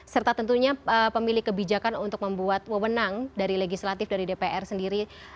serta tentunya pemilik kebijakan untuk membuat wewenang dari legislatif dari dpr sendiri